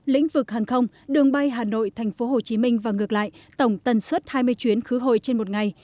lĩnh vực hàng không đường bay hà nội tp hcm và ngược lại tổng tần suất hai mươi chuyến khứ hồi trên một ngày